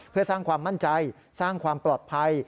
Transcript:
เพื่อสร้างความมั่นใจสร้างความปลอดภัย